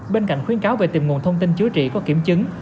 bên cạnh khuyến cáo về tìm nguồn thông tin chữa trị có kiểm chứng